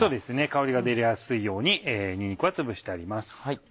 香りが出やすいようににんにくはつぶしてあります。